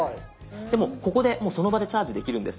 もうここでこの場でチャージできるんです。